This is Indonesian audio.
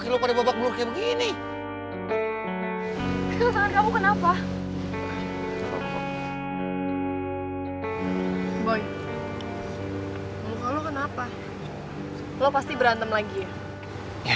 lo pasti berantem lagi ya